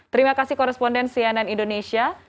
terima kasih koresponden cnn indonesia